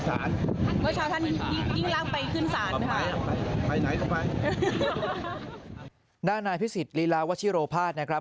ด้านนายพิสิทธิลีลาวัชิโรภาสนะครับ